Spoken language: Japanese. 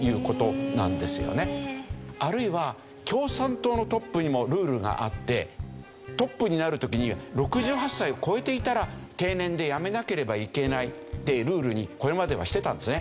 あるいは共産党のトップにもルールがあってトップになる時に６８歳を超えていたら定年で辞めなければいけないっていうルールにこれまではしてたんですね。